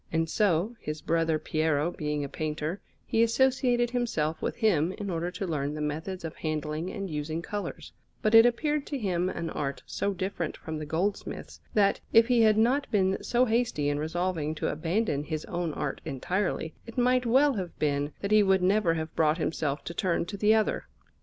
And so, his brother Piero being a painter, he associated himself with him in order to learn the methods of handling and using colours; but it appeared to him an art so different from the goldsmith's, that, if he had not been so hasty in resolving to abandon his own art entirely, it might well have been that he would never have brought himself to turn to the other.